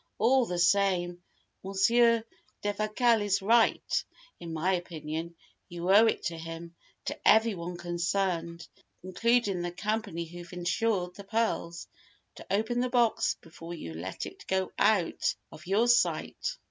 "All the same, Monsieur Defasquelle is right, in my opinion. You owe it to him to everyone concerned, including the company who've insured the pearls to open the box before you let it go out of your sight."